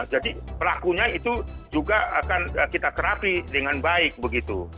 jadi pelakunya itu juga akan kita kerapi dengan baik begitu